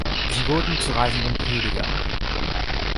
Sie wurden zu reisenden Predigern.